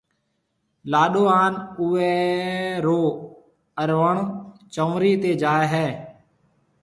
لاڏو ھان اوئيَ رو اروڻ چنورِي تيَ جائيَ ھيََََ